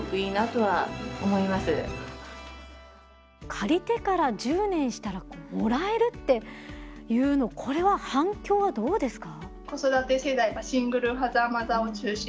借りてから１０年したらもらえるっていうのこれは反響はどうですか？